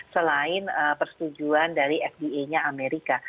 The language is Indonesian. selain persetujuan dari fda nya amerika